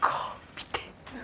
見て。